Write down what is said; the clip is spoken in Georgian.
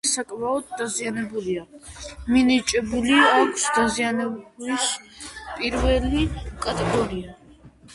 ძეგლი საკმაოდ დაზიანებულია, მინიჭებული აქვს დაზიანების პირველი კატეგორია.